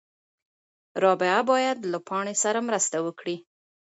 رابعه باید له پاڼې سره مرسته وکړي.